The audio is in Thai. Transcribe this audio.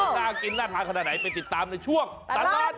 น่ากินน่าทานขนาดไหนไปติดตามในช่วงตลอด